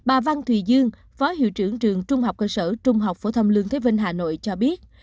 bà văn thùy dương phó hiệu trưởng trường trung học cơ sở trung học phổ thông lương thế vinh hà nội cho biết